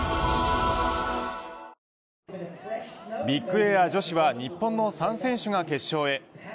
ビッグエア女子は日本の３選手が決勝へ。